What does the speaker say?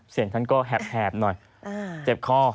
เสียงท่านก็แหบหน่อยเจ็บคอ